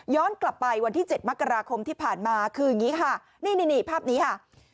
กลับไปวันที่๗มกราคมที่ผ่านมาคืออย่างนี้ค่ะนี่นี่ภาพนี้ค่ะ